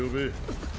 あっ。